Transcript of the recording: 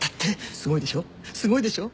すごいでしょ？